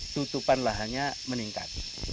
tutupan lahannya meningkat